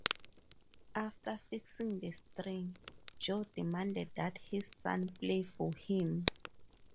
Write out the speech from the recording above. After fixing the string, Joe demanded that his son play for him.